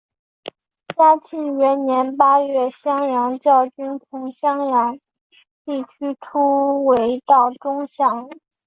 嘉庆元年八月襄阳教军从襄阳地区突围到钟祥。